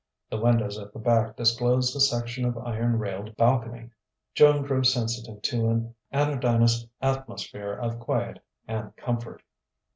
The windows at the back disclosed a section of iron railed balcony. Joan grew sensitive to an anodynous atmosphere of quiet and comfort....